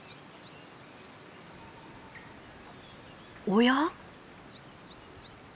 おや？